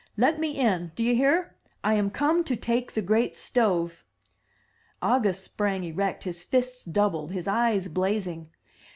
Let me in! Do you hear? I am come to take the great stove." August sprang erect, his fists doubled, his eyes blazing.